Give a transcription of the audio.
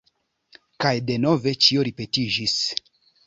Kaj denove ĉio ripetiĝis.